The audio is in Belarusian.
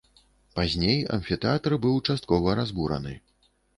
Пазней амфітэатр быў часткова разбураны.